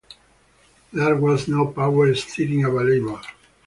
There was no power steering available.